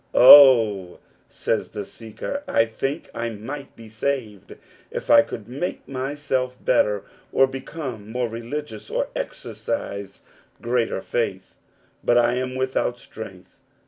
" Oh, says the seeker, " I think I might be saved if I could make myself better, or become more religious, or exercise greater faith ; but I am without strength.